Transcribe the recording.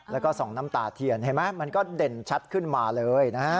แล้วก็ส่องน้ำตาเทียนเห็นไหมมันก็เด่นชัดขึ้นมาเลยนะฮะ